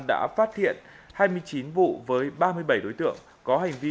đã phát hiện hai mươi chín vụ với ba mươi bảy đối tượng có hành vi